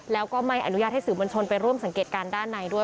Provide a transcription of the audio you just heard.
แล้วก็ไม่อนุญาตให้สื่อมวลชนไปร่วมสังเกตการณ์ด้านในด้วย